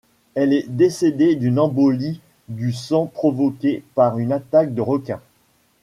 Elle est décédée d'une embolie du sang provoquée par une attaque de requin.